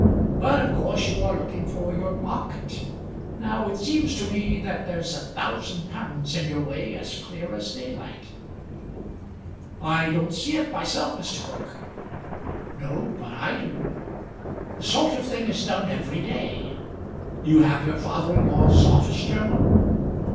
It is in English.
But of course you are looking for your market. Now it seems to me that there's a thousand pounds in your way as clear as daylight." "I don't see it myself, Mr. Cooke." "No; but I do. The sort of thing is done every day. You have your father in law's office journal?"